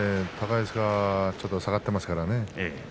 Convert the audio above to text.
高安がちょっと下がっていますからね